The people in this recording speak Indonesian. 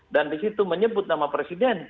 dan di situ menyebut nama presiden